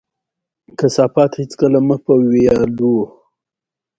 کثافات هيڅکله مه په ويالو،